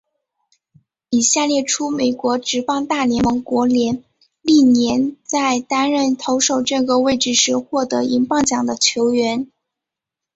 以下列出美国职棒大联盟国联历年在担任投手这个位置时获得银棒奖的球员。